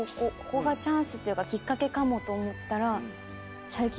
ここがチャンスっていうかきっかけかもと思ったら最近すごいしゃべれます。